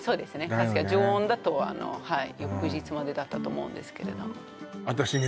確かに常温だと翌日までだったと思うんですけれど私ね